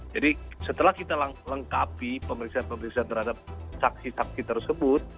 jadi setelah kita lengkapi pemeriksaan pemeriksaan terhadap saksi saksi tersebut